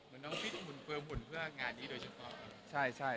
เหมือนน้องฟิตหมุนเพื่องานนี้โดยเฉพาะ